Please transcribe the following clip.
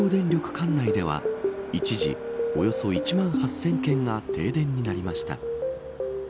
管内では一時、およそ１万８０００軒が停電になりました。